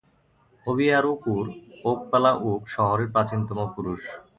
ওবিয়ারুকুর "ওকপালা-উকু" শহরের প্রাচীনতম পুরুষ।